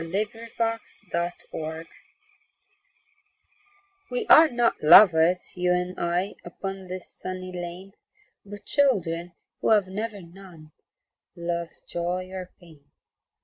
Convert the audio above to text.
LOVE'S WAY TO CHILDHOOD We are not lovers, you and I, Upon this sunny lane, But children who have never known Love's joy or pain.